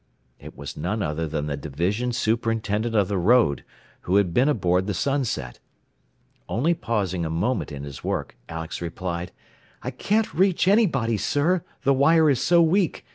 It was none other than the division superintendent of the road, who had been aboard the Sunset. Only pausing a moment in his work, Alex replied: "I can't reach anybody, sir, the wire is so weak.